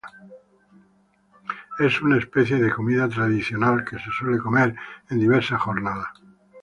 Es una especie de comida tradicional que se suele comer en diversas jornadas.